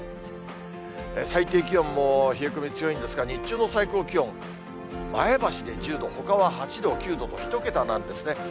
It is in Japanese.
最低気温も冷え込み強いんですが、日中の最高気温、前橋で１０度、ほかは８度、９度と１桁なんですね。